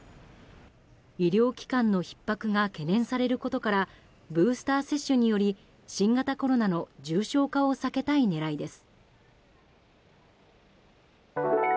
医療機関のひっ迫が懸念されることからブースター接種により新型コロナの重症化を避けたい狙いです。